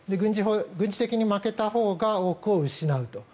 軍事的に負けたほうが多くを失うと。